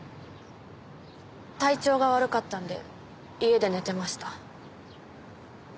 体調が悪かったんで家で寝てました。